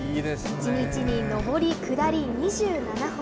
１日に上り下り２７本。